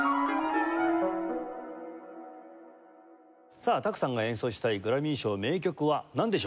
さあ多久さんが演奏したいグラミー賞名曲はなんでしょう？